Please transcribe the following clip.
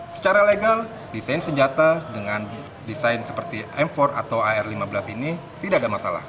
secara legal desain senjata dengan desain seperti m empat atau ar lima belas ini tidak ada masalah